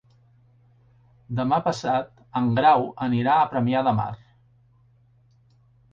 Demà passat en Grau anirà a Premià de Mar.